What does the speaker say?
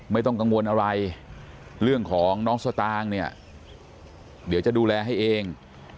ไม่ต้องกังวลอะไรเรื่องของน้องสตางค์เนี่ยเดี๋ยวจะดูแลให้เอง